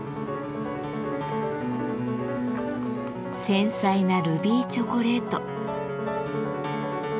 繊細なルビーチョコレート。